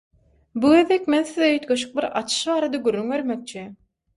Bu gezek men size üýtgeşik bir açyş barada gürrüň bermekçi.